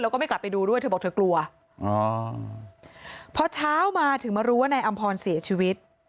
แล้วก็ไม่กลับไปดูด้วยเธอบอกเธอกลัวอ๋อพอเช้ามาถึงมารู้ว่านายอำพรเสียชีวิต